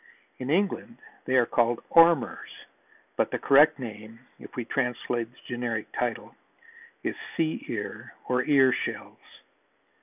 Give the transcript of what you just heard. In England they are called "Ormers" but the correct name, if we translate the generic title, is "Sea ear" or ear shells.